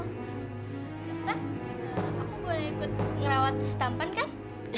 dokter aku boleh ikut ngerawat si tampan kan